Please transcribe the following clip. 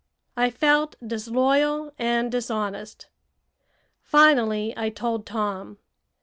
I felt disloyal and dishonest. Finally I told Tom.